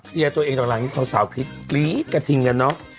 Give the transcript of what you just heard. เคลียร์ตัวเองต่างที่สาวกรี๊ดกระทิงกันเนอะ